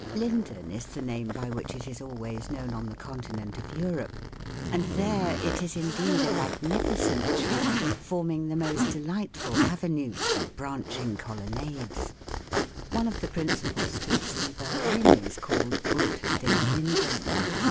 Linden is the name by which it is always known on the continent of Europe, and there it is indeed a magnificent tree, forming the most delightful avenues and branching colonnades. One of the principal streets in Berlin is called 'Unter den Linden.'